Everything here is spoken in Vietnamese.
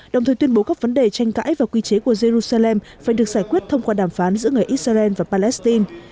đồng thời tuyên bố các vấn đề tranh cãi và quy chế của jerusalem phải được giải quyết thông qua đàm phán giữa người israel và palestine